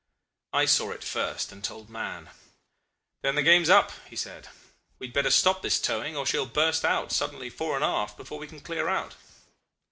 I saw it first, and told Mahon. 'Then the game's up,' he said. 'We had better stop this towing, or she will burst out suddenly fore and aft before we can clear out.